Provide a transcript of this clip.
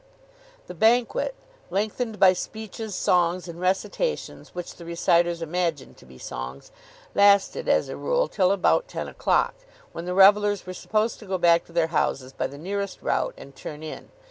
The banquet, lengthened by speeches, songs, and recitations which the reciters imagined to be songs, lasted, as a rule, till about ten o'clock, when the revellers were supposed to go back to their houses by the nearest route, and turn in.